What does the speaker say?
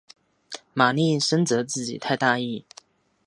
玛丽深责自己太大意。